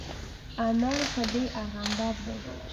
انار په د ارغانداب دي